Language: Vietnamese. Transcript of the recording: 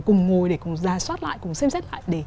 cùng ngồi để cùng ra soát lại cùng xem xét lại